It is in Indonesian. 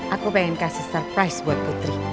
aku pengen kasih surprise buat putri